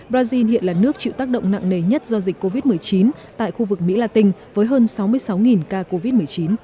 brazil hiện là nước chịu tác động nặng nề nhất do dịch covid một mươi chín tại khu vực mỹ la tinh với hơn sáu mươi sáu ca covid một mươi chín